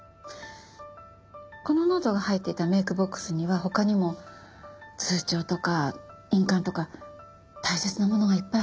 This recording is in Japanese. このノートが入っていたメイクボックスには他にも通帳とか印鑑とか大切なものがいっぱい入ってました。